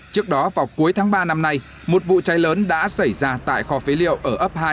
trước đó vào cuối tháng ba năm nay một vụ cháy lớn đã xảy ra tại kho phế liệu ở ấp hai